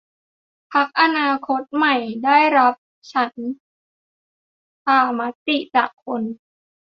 พรรคอนาคคใหม่ ที่ได้รับฉันทามติจากคน